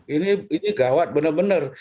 ini gawat benar benar